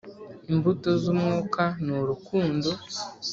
Imbuto z umwuka ni urukundo